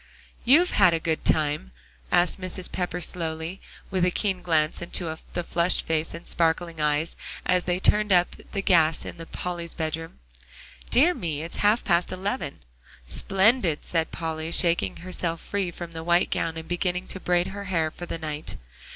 "You've had a good time?" asked Mrs. Pepper slowly, with a keen glance into the flushed face and sparkling eyes, as they turned up the gas in Polly's bedroom. "Dear me! it is half past eleven." "Splendid," said Polly, shaking herself free from the white gown and beginning to braid her hair for the night.